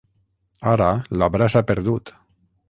Ara l'obra s'ha perdut.